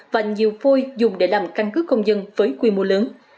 và nhiều phôi dùng để làm căn cứ công dân với quy mô lớn